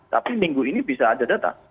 tapi minggu ini bisa ada data